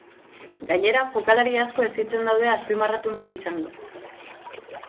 Gainera, jokalari asko hezitzen daude azpimarratu nahi izan du.